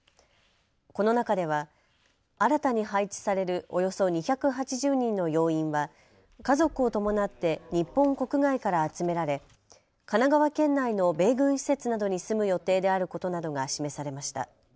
この中では新たに配置されるおよそ２８０人の要員は家族を伴って日本国外から集められ神奈川県内の米軍施設などに住む予定であることなどが示されました。